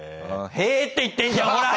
へえって言ってんじゃんほら。